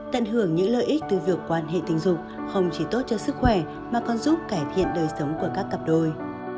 tận hưởng những lợi ích từ việc quan hệ tình dục không chỉ tốt cho sức khỏe mà còn giúp cải thiện đời sống của các cặp đôi